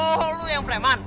oh lo yang preman